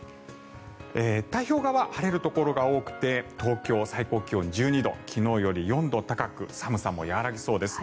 太平洋側、晴れるところが多くて東京最高気温１２度昨日より４度高く寒さも和らぎそうです。